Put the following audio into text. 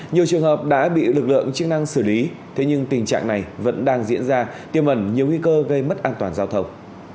nhiều trường hợp đã bị lực lượng chức năng xử lý thế nhưng tình trạng này vẫn đang diễn ra tiêm ẩn nhiều nguy cơ gây mất an toàn giao thông